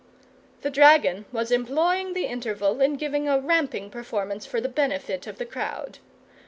The dragon was employing the interval in giving a ramping performance for the benefit of the crowd.